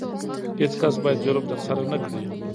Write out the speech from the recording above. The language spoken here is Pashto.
هیڅ کس باید جرم ترسره نه کړي.